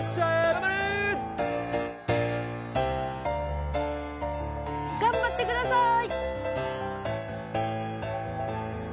・頑張れ！頑張ってください！